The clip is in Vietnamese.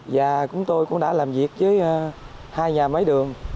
và chúng tôi cũng đã làm việc với hai nhà máy đường